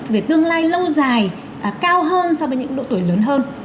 về tương lai lâu dài cao hơn so với những độ tuổi lớn hơn